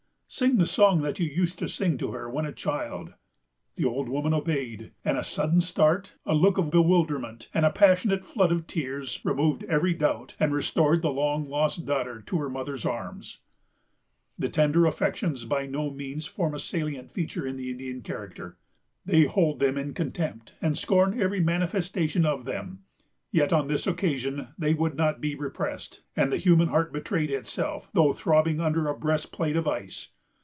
"Sing the song that you used to sing to her when a child." The old woman obeyed; and a sudden start, a look of bewilderment, and a passionate flood of tears, removed every doubt, and restored the long lost daughter to her mother's arms. The tender affections by no means form a salient feature in the Indian character. They hold them in contempt, and scorn every manifestation of them; yet, on this occasion, they would not be repressed, and the human heart betrayed itself, though throbbing under a breastplate of ice.